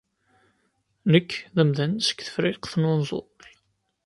Nekk d amdan seg Tefriqt n Unẓul.